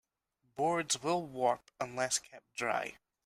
Boards will warp unless kept dry.